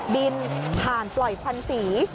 บินผ่านปล่อยควันสี